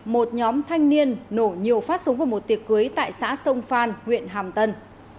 một nhóm thanh niên nổ nhiều phát súng vào một tiệc cưới tại xã sông phan huyện hàm tân